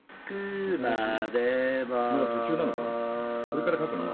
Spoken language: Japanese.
まだ途中なのかな？